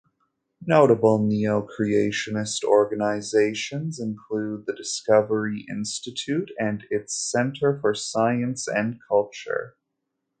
Notable neo-creationist organizations include the Discovery Institute and its Center for Science and Culture.